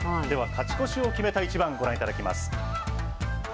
では勝ち越しを決めた一番、ご覧いただきます。